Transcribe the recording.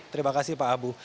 terima kasih pak abu